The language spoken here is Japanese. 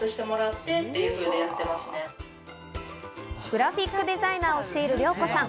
グラフィックデザイナーをしている涼子さん。